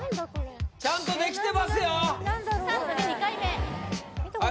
ちゃんとできてますよさあ